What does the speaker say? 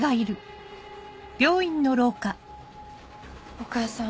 お母さん。